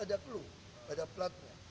kan ada clue pada platnya